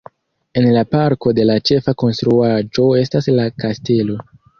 En la parko la ĉefa konstruaĵo estas la kastelo.